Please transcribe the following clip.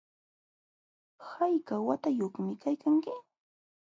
¿Hayka watayuqmi kaykanki?